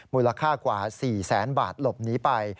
มูลค่ากว่า๔แสนบาทหลบหนีไป